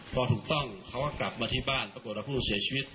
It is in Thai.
พอถูกต้องเขาก็กลับมาที่บ้านปรากฏว่าผู้เสียชีวิต